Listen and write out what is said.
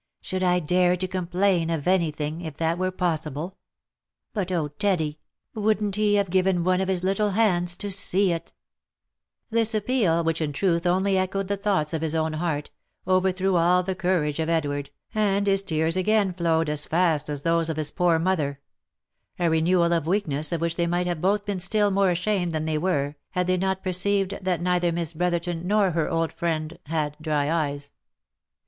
" Should I dare to complain of any thing if that were possible ! But oh ! Teddy ! wouldn't he have given one of his little hands to see it V This appeal, which in truth only echoed the thoughts of his own heart, overthrew all the courage of Edward, and his tears again flowed as fast as those of his poor mother ; a renewal of weakness of which they might both have been still more ashamed than they were, had they not perceived that neither Miss Brotherton nor her old friend had dry eyes.